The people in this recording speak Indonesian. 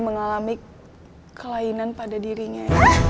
mengalami kelainan pada dirinya